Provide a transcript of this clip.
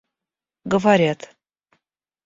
говорят